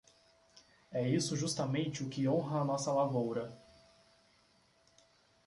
É isso justamente o que honra a nossa lavoura.